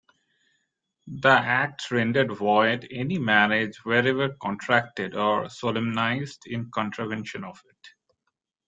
The Act rendered void any marriage wherever contracted or solemnised in contravention of it.